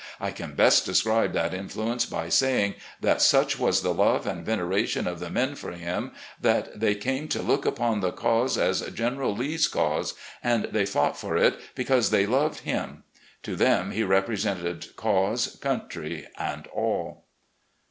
I can best describe that influence by saying that such was the love and veneration of the men for him that they came to look upon the cause as General Lee's cause, and they fought for it because they loved him. To them he represented cause, cotmtry, and all."